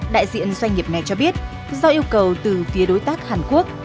đại diện doanh nghiệp này cho biết do yêu cầu từ phía đối tác hàn quốc